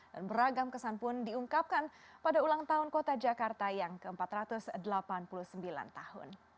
dan beragam kesan pun diungkapkan pada ulang tahun kota jakarta yang ke empat ratus delapan puluh sembilan tahun